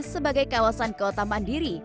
sebagai kawasan kota mandiri